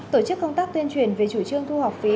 tổ chức công tác tuyên truyền về chủ trương thu học phí